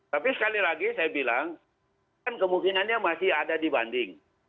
tapi sekali lagi saya bilang kan kemungkinannya masih ada dibanding